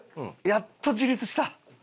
やっと自立した！